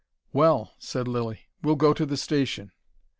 "Well," said Lilly. "We'll go to the station."